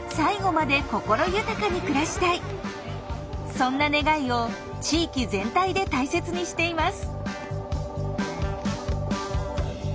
そんな願いを地域全体で大切にしています。